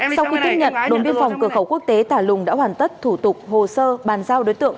sau khi tiếp nhận đồn biên phòng cửa khẩu quốc tế tà lùng đã hoàn tất thủ tục hồ sơ bàn giao đối tượng